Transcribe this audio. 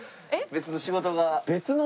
別の仕事？